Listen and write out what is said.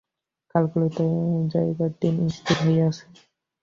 কাল কলিকাতায় যাইবার দিন স্থির হইয়াছে।